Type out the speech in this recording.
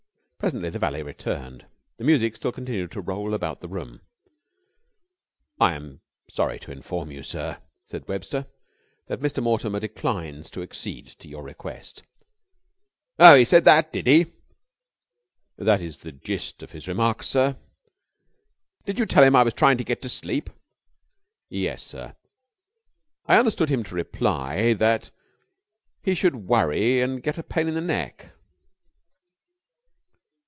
Presently the valet returned. The music still continued to roll about the room. "I am sorry to have to inform you, sir," said Webster, "that Mr. Mortimer declines to accede to your request." "Oh, he said that, did he!" "That is the gist of his remarks, sir." "Did you tell him I was trying to get to sleep?" "Yes, sir. I understood him to reply that he should worry and get a pain in the neck."